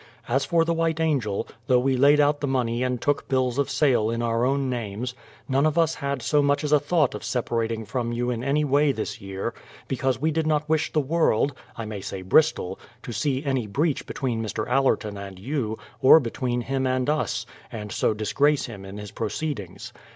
As for the White Angel, though we laid out the money and took bills of sale in our own names, none of us had so much as a thought of separating from you in any way this year, because we did not wish the world (I may say Bristol) to see any breach between Mr. Allerton and you, or between him and us, and so disgrace him in his proceedings.